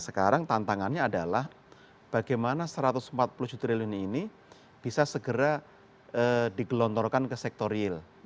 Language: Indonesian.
nah sekarang tantangannya adalah bagaimana satu ratus empat puluh juta rilini ini bisa segera digelontorkan ke sektor ril